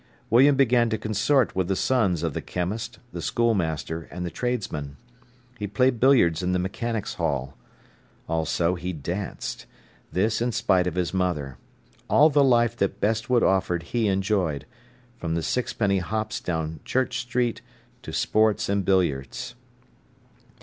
Willam began to consort with the sons of the chemist, the schoolmaster, and the tradesmen. He played billiards in the Mechanics' Hall. Also he danced—this in spite of his mother. All the life that Bestwood offered he enjoyed, from the sixpenny hops down Church Street, to sports and billiards.